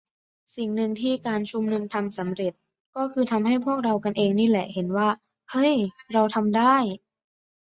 สิ่งนึงที่การชุมนุมทำสำเร็จ ก็คือทำให้พวกเรากันเองนี่แหละ เห็นว่า "เฮ้ย เราทำได้"